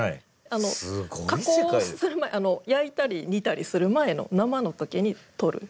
あの加工する前焼いたり煮たりする前の生の時に取る。